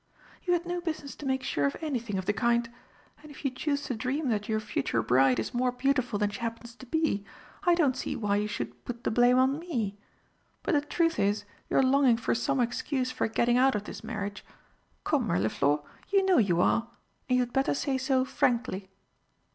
"You had no business to make sure of anything of the kind. And if you choose to dream that your future bride is more beautiful than she happens to be, I don't see why you should put the blame on me! But the truth is you're longing for some excuse for getting out of this marriage. Come, Mirliflor, you know you are and you had better say so frankly."